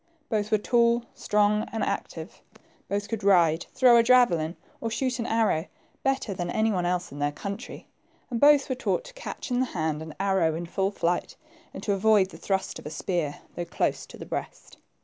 Both were tall, strong, and active. Both could ride, throw a javelin, or shoot an arrow, better than any one else in their country, and both were taught to catch in the hand an arrow in full flight, and to avoid the thrust of a spear, though close to the breast.